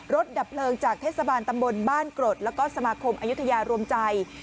ดับเพลิงจากเทศบาลตำบลบ้านกรดแล้วก็สมาคมอายุทยารวมใจ